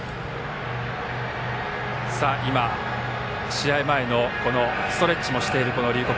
試合前のストレッチをしている龍谷